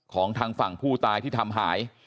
ของทางฝั่งผู้ตายที่ทำหาย